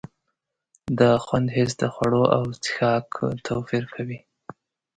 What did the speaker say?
د خوند حس د خوړو او څښاک توپیر کوي.